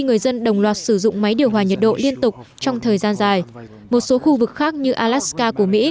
người dân đồng loạt sử dụng máy điều hòa nhiệt độ liên tục trong thời gian dài một số khu vực khác